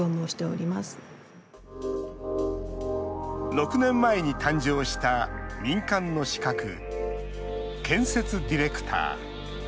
６年前に誕生した民間の資格、建設ディレクター。